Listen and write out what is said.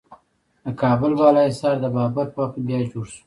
د کابل بالا حصار د بابر په وخت کې بیا جوړ شو